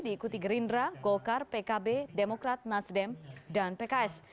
diikuti gerindra golkar pkb demokrat nasdem dan pks